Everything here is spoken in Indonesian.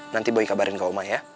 nanti boy kabarin ke oma ya